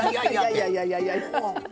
いやいやいやいや。